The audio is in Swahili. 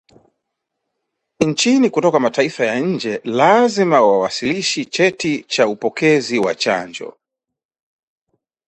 nchini kutoka mataifa ya nje lazima wawasilishi cheti cha upokezi wa chanjo